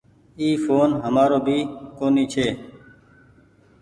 اي ڦون همآرو ڀي ڪونيٚ ڇي ۔